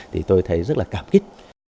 thì tôi thấy rất là cảm kích